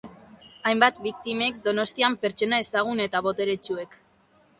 Hainbat biktimek Donostian pertsona ezagun eta boteretsuek.